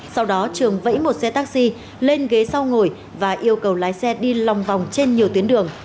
sau đó trường vẫy một xe taxi lên ghế sau ngồi và yêu cầu lái xe đi lòng vòng trên nhiều tuyến đường